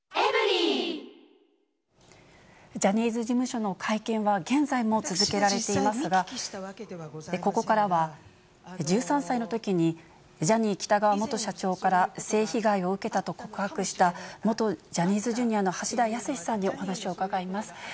ジャニーズ事務所の会見は現在も続けられていますが、ここからは、１３歳のときに、ジャニー喜多川元社長から性被害を受けたと告白した元ジャニーズＪｒ．の橋田康さんにお話を伺います。